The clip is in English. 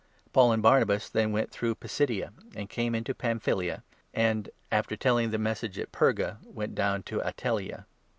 Paul and Barnabas then went through Pisidia, and 24 came into Pamphylia, and, after telling the Message at Perga, 25 went down to Attaleia.